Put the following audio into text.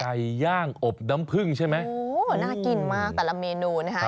ไก่ย่างอบน้ำพึ่งใช่ไหมโอ้โหน่ากินมากแต่ละเมนูนะคะ